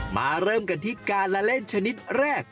มาเริ่มกันที่การละเล่นชนิดแรก